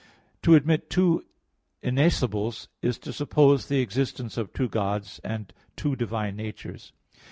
To admit two innascibles is to suppose the existence of two Gods, and two divine natures.